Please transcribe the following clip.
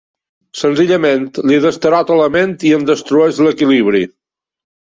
Senzillament li destarota la ment i en destrueix l'equilibri.